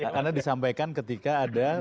karena disampaikan ketika ada